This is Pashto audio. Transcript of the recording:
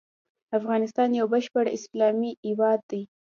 افغانستان يو بشپړ اسلامي هيواد دی.